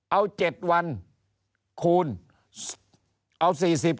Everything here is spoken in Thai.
เอา๗วันคูณเอา๔๐